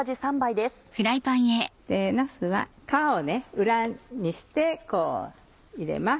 なすは皮を裏にして入れます。